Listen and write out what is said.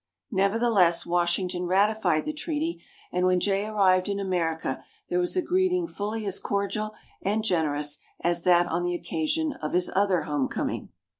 Nevertheless, Washington ratified the treaty; and when Jay arrived in America there was a greeting fully as cordial and generous as that on the occasion of his other homecoming.